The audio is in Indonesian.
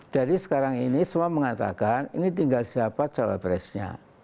jadi sekarang ini semua mengatakan ini tinggal siapa capresnya